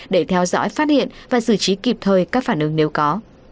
để theo dõi phát hiện và xử trí kịp thời các phản ứng nếu có